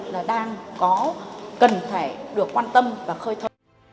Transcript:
là đang có cần thể được quan tâm và khơi thơ